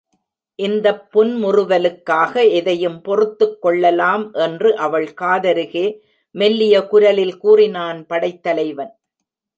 இந்தப் புன்முறுவலுக்காக எதையும் பொறுத்துக் கொள்ளலாம் என்று அவள் காதருகே மெல்லிய குரலில் கூறினான் படைத் தலைவன்.